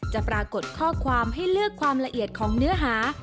ปรากฏข้อความให้เลือกความละเอียดของเนื้อหา